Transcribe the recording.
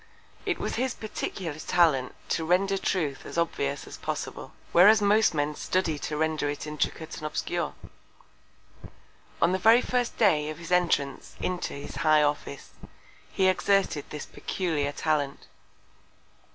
It was his peculiar Talent to render Truth as obvious as possible: Whereas most Men study to render it intricate and obscure. On the very first Day of his Entrance into his High Office, he exerted this peculiar Talent.